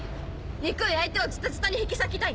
憎い相手をズタズタに引き裂きたい？